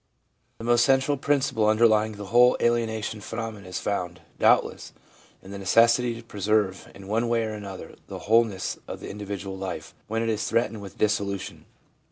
The most central principle underlying the whole alienation phenomenon is found, doubtless, in the necessity to preserve in one way or another the wholeness of the individual life when it is threatened with dissolution.